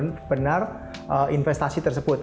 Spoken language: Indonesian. dengan benar investasi tersebut